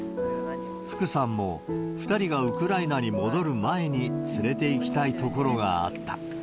福さんも、２人がウクライナに戻る前に連れて行きたい所があった。